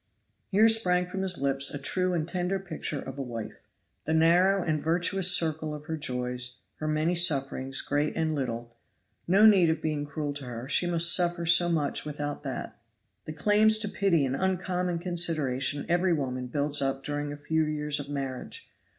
Here sprang from his lips a true and tender picture of a wife. The narrow and virtuous circle of her joys, her many sufferings, great and little no need of being cruel to her; she must suffer so much without that. The claims to pity and uncommon consideration every woman builds up during a few years of marriage!